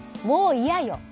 もういやよ」。